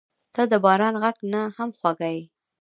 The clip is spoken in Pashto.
• ته د باران غږ نه هم خوږه یې.